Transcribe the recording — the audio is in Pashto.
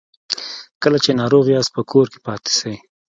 کله چې ناروغ یاست په کور کې پاتې سئ